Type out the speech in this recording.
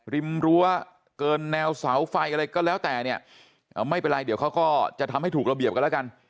ริมรั้วเกินแนวเสาไฟอะไรก็แล้วแต่เนี่ยไม่เป็นไรเดี๋ยวเขาก็จะทำให้ถูกระเบียบกันแล้วกัน